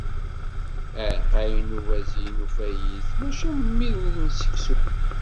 Iɛeqqayen n ubazin ufayit mačči am wid n seksu